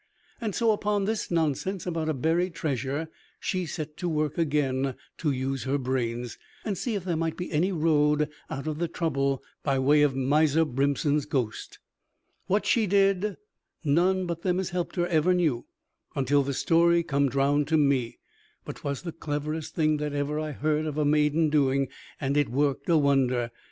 And so, upon this nonsense about a buried treasure she set to work again to use her brains, and see if there might be any road out of the trouble by way of Miser Brimpson's ghost. What she did, none but them as helped her ever knew, until the story comed round to me; but 'twas the cleverest thing that ever I heard of a maiden doing, and it worked a wonder.